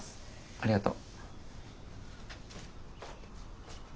ありがとう。